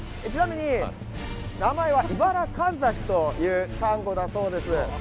ちなみに名前はイバラカンザシというさんごだそうです。